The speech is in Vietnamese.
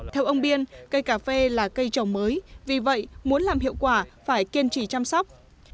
theo ông biên cây cà phê là cây trồng mới vì vậy muốn làm hiệu quả phải kiên trì chăm sóc